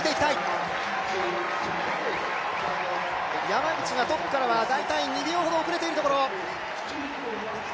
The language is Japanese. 山口がトップから大体２秒ほど遅れているところ。